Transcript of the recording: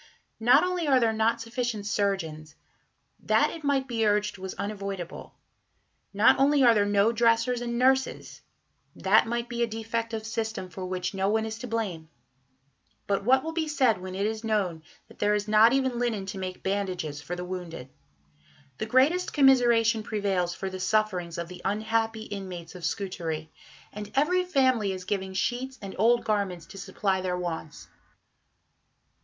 Not only are there not sufficient surgeons that, it might be urged, was unavoidable; not only are there no dressers and nurses that might be a defect of system for which no one is to blame; but what will be said when it is known that there is not even linen to make bandages for the wounded? The greatest commiseration prevails for the sufferings of the unhappy inmates of Scutari, and every family is giving sheets and old garments to supply their wants.